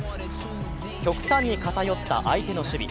極端に偏った相手の守備。